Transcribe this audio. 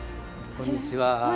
こんにちは。